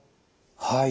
はい。